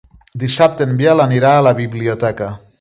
Dissabte en Biel anirà a la biblioteca.